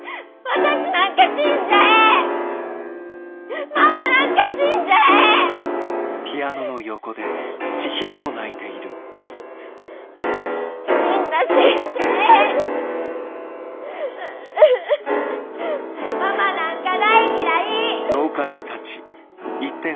私なんか大嫌い！